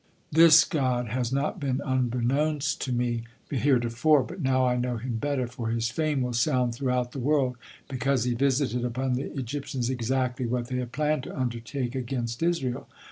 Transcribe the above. This God had not been unbeknown to me heretofore, but now I know Him better, for His fame will sound throughout the world, because He visited upon the Egyptians exactly what they had planned to undertake against Israel.